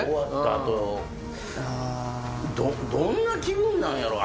どんな気分なんやろう？